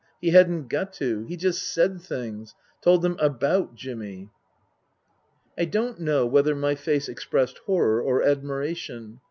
He hadn't got to. He just said things. Told them about Jimmy." I don't know whether my face expressed horror or admiration.